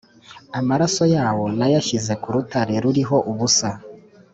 Amaraso yawo nayashyize ku rutare ruriho ubusa